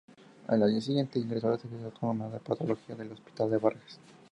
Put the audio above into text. Al año siguiente ingresó al Servicio de Anatomía Patológica del Hospital Vargas.